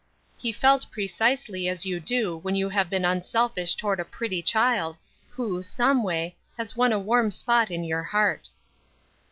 He felt precisely as you do when you have been unselfish toward a pretty child, who, someway, has won a warm spot in your heart.